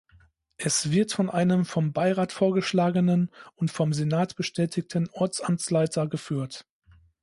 Es wird von einem vom Beirat vorgeschlagenen und vom Senat bestätigten Ortsamtsleiter geführt.